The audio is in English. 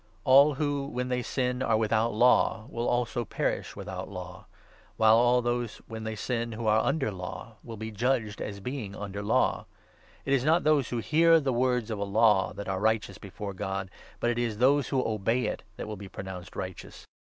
n All who, when they sin, are without Law will also perish 12 without Law ; while all who, when they sin, are under Law, will be judged as being under Law. It is not those who hear 13 the words of a Law that are righteous before God, but it is those who obey it that will be pronounced righteous.